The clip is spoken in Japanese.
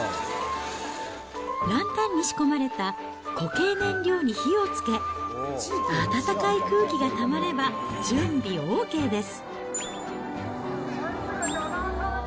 ランタンに仕込まれた固形燃料に火をつけ、暖かい空気がたまれば準備ＯＫです。